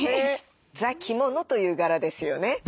「ザ・着物」という柄ですよね。